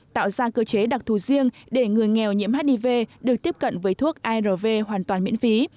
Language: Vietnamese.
tạo ra cơ chế đặc thù riêng để người nghèo nhiễm hiv được tiếp cận với thuốc arv hoàn toàn miễn phí